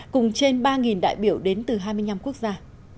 cùng trên ba đại biểu đến từ hai mươi năm quốc gia